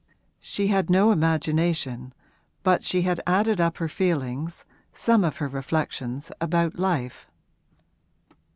She had no imagination, but she had added up her feelings, some of her reflections, about life.